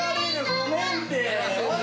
ごめんって。